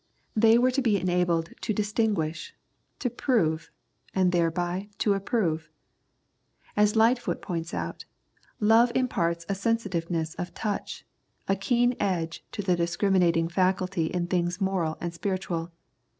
They were to be enabled to distinguish, to prove, and thereby to approve. As Lightfoot points out, " love imparts a sensitiveness of touch, a keen edge to the discriminating faculty in things moral and spiritual."